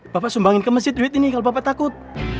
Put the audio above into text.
bapak sumbangin ke masjid duit ini kalau bapak takut